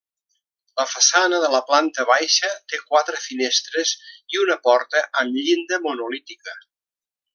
La façana de la planta baixa té quatre finestres i una porta amb llinda monolítica.